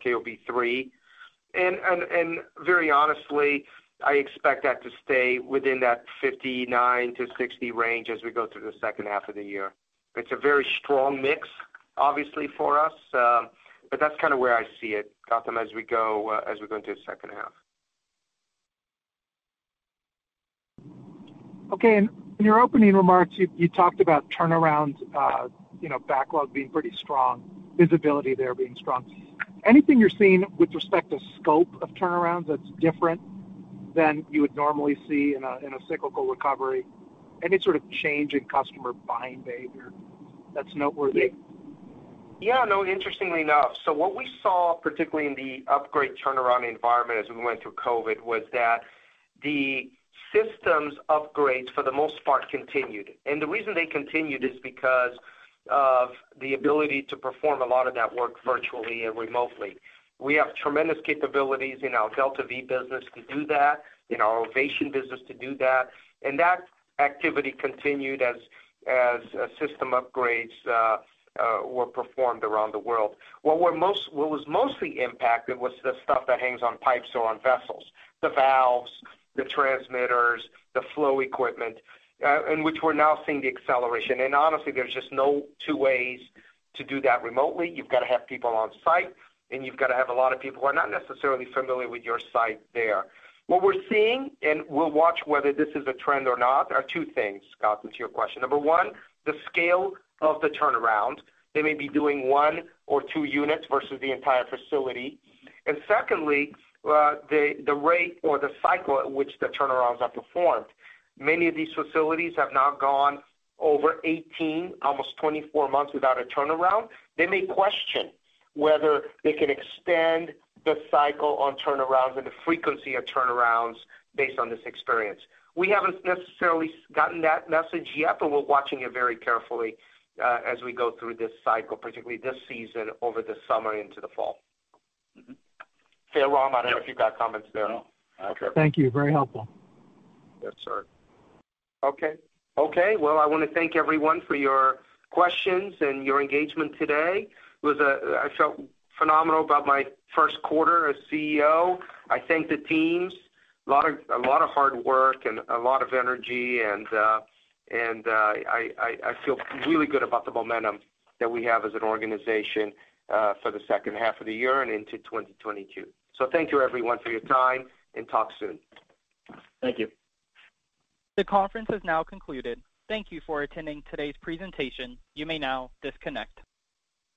KOB-3. Very honestly, I expect that to stay within that 59%-60% range as we go through the second half of the year. It's a very strong mix, obviously, for us. That's kind of where I see it, Gautam, as we go into the second half. Okay. In your opening remarks, you talked about turnaround backlog being pretty strong, visibility there being strong. Anything you're seeing with respect to scope of turnarounds that's different than you would normally see in a cyclical recovery? Any sort of change in customer buying behavior that's noteworthy? Interestingly enough. What we saw, particularly in the upgrade turnaround environment as we went through COVID, was that the systems upgrades, for the most part, continued. The reason they continued is because of the ability to perform a lot of that work virtually and remotely. We have tremendous capabilities in our DeltaV business to do that, in our Ovation business to do that, and that activity continued as system upgrades were performed around the world. What was mostly impacted was the stuff that hangs on pipes or on vessels, the valves, the transmitters, the flow equipment, in which we're now seeing the acceleration. Honestly, there's just no two ways to do that remotely. You've got to have people on site, and you've got to have a lot of people who are not necessarily familiar with your site there. What we're seeing, and we'll watch whether this is a trend or not, are two things, Gautam, to your question. Number one, the scale of the turnaround. They may be doing one or two units versus the entire facility. Secondly, the rate or the cycle at which the turnarounds are performed. Many of these facilities have now gone over 18, almost 24 months without a turnaround. They may question whether they can extend the cycle on turnarounds and the frequency of turnarounds based on this experience. We haven't necessarily gotten that message yet, but we're watching it very carefully as we go through this cycle, particularly this season over the summer into the fall. Hey, Ram, I don't know if you've got comments there. No. Thank you. Very helpful. Yes, sir. Okay. Well, I want to thank everyone for your questions and your engagement today. I felt phenomenal about my first quarter as CEO. I thank the teams. A lot of hard work and a lot of energy, and I feel really good about the momentum that we have as an organization for the second half of the year and into 2022. Thank you everyone for your time and talk soon. Thank you. The conference has now concluded. Thank you for attending today's presentation. You may now disconnect.